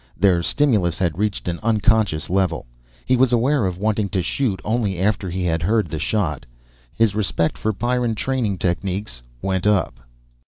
Their stimulus had reached an unconscious level. He was aware of wanting to shoot only after he had heard the shot. His respect for Pyrran training techniques went up.